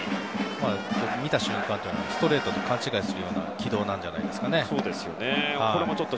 見た瞬間ストレートと勘違いするような軌道じゃないですかね。